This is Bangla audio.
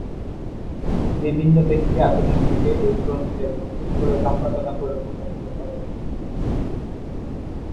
বিভিন্ন ব্যক্তি আধুনিক যুগে এই গ্রন্থের নতুন করে সম্পাদনা করে প্রকাশিত করেন।